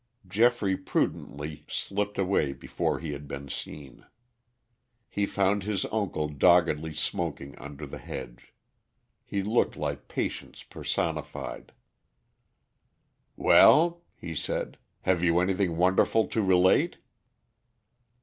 Geoffrey prudently slipped away before he had been seen. He found his uncle doggedly smoking under the hedge. He looked like patience personified. "Well," he said, "have you anything wonderful to relate?"